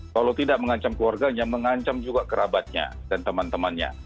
kalau tidak mengancam keluarganya mengancam juga kerabatnya dan teman temannya